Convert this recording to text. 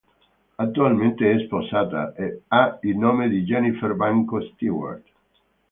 Attualmente è sposata ed ha il nome di Jennifer Banko-Stewart.